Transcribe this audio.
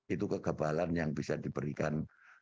itu kekebalan yang bisa diberikan